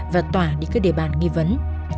và tỏa đi các địa bàn nghi vấn